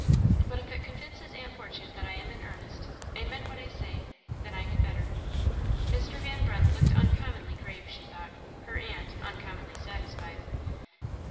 But if it convinces aunt Fortune that I am in earnest, and meant what I say then I had better." Mr. Van Brunt looked uncommonly grave, she thought; her aunt, uncommonly satisfied.